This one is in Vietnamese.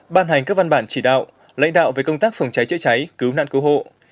ban hành các văn bản chỉ đạo lãnh đạo về công tác phòng cháy chữa cháy cứu nạn cứu hộ